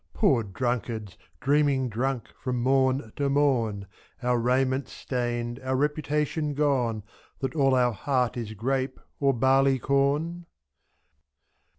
Poor drunkards, dreaming drunk from morn to morn, 5' Our raiment stained, our reputation gone. That all our heart is grape or barley corn